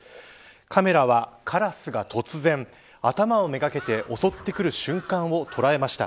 カメラは、カラスが突然頭をめがけて襲ってくる瞬間を捉えました。